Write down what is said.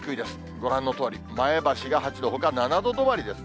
ご覧のとおり、前橋が８度、ほか、７度止まりですね。